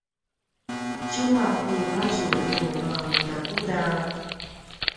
tjumaq ti madju nu makudakuda?